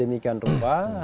kemudian demikian rupa